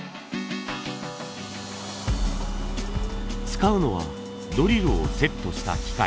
使うのはドリルをセットした機械。